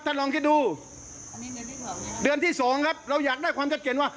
ท่านลองคิดดูเดือนที่สองครับเราอยากได้ความจัดเจนว่า